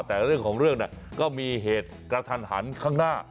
แต่เรื่องของเรื่องก็มีเหตุกระทันหันข้างหน้า